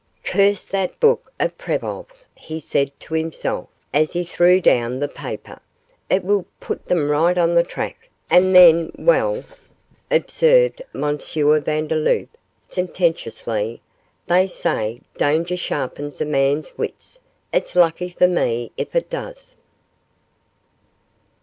'Curse that book of Prevol's,' he said to himself, as he threw down the paper: 'it will put them on the right track, and then well,' observed M. Vandeloup, sententiously, 'they say danger sharpens a man's wits; it's lucky for me if it does.